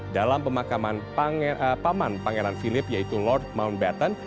dalam pemakaman paman pangeran philip yaitu lord mountbatten